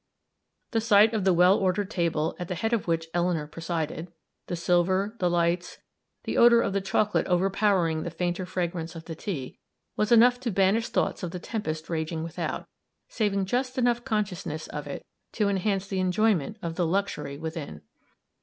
The sight of the well ordered table, at the head of which Eleanor presided, the silver, the lights, the odor of the chocolate overpowering the fainter fragrance of the tea, was enough to banish thoughts of the tempest raging without, saving just enough consciousness of it to enhance the enjoyment of the luxury within.